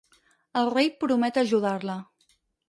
El rei promet ajudar-la.